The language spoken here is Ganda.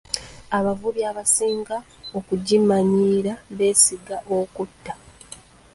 Abavubi abasinga okugimanyiira b'esinga okutta.